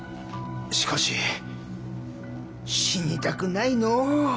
しかし死にたくないのう。